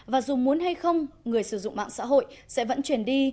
và dù muốn hay không người sử dụng mạng xã hội sẽ vẫn chuyển đi